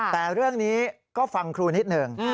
แต่เรื่องนี้ก็ฟังครูนิดหนึ่ง